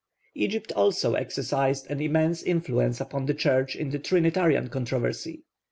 Egypt also exercised an immense influence upon the Church in the Trinitarian controversy.